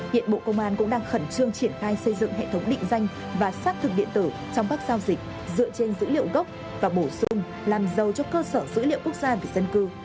hiện bộ công an cũng đang khẩn trương triển khai xây dựng hệ thống định danh và xác thực điện tử trong các giao dịch dựa trên dữ liệu gốc và bổ sung làm giàu cho cơ sở dữ liệu quốc gia về dân cư